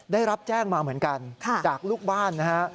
ได้รับแจ้งมาเหมือนกันจากลูกบ้านนะฮะ